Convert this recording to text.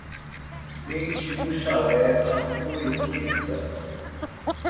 Deixe um chalé à sua esquerda.